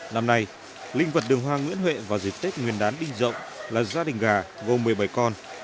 năm nay linh vật đường hoa nguyễn huệ vào dịp tết nguyên đán đình rộng là gia đình gà gồm một mươi bảy con